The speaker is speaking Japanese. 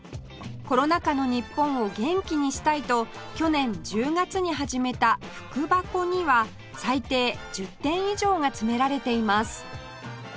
コロナ禍の日本を元気にしたいと去年１０月に始めた福箱には最低１０点以上が詰められています